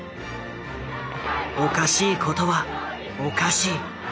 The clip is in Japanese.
おかしいことはおかしい。